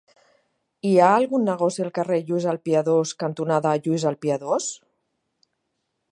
Hi ha algun negoci al carrer Lluís el Piadós cantonada Lluís el Piadós?